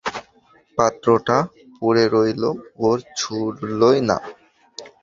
পাত্রটা পড়ে রইল, ও ছুঁলই না।